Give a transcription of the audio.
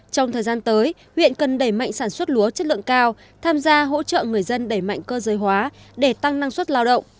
trong thời gian tới huyện cần đẩy mạnh sản xuất lúa chất lượng cao tham gia hỗ trợ người dân đẩy mạnh cơ giới hóa để tăng năng suất lao động